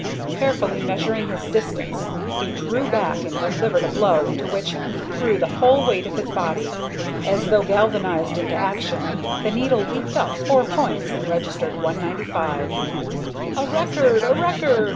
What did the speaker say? Carefully measuring his distance, he drew back and delivered a blow into which he threw the whole weight of his body. As though galvanized into action, the needle leaped up four points and registered 195. "A record! A record!"